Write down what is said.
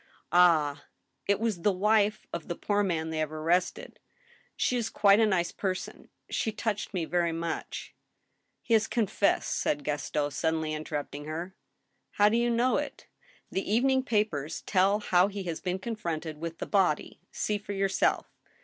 "Ah!" " It was the wife of the poor man they have arested ;... she is quite a nice person, .., she touched me very much —"" He has confessed," said Gaston, suddenly interrupting her. " How do you know it ?"" The evening papers tell how he has been confronted with the body. See for yourself."